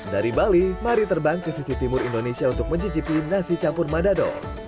dari bali mari terbang ke sisi timur indonesia untuk mencicipi nasi campur madado